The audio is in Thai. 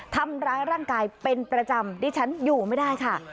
ทำร้ายร่างกายเป็นประจำดิฉันอยู่ไม่ได้ค่ะ